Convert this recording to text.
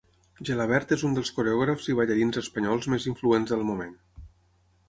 Gelabert és un dels coreògrafs i ballarins espanyols més influents del moment.